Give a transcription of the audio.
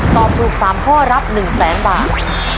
ตอบถูก๓ข้อรับ๑๐๐๐๐๐บาท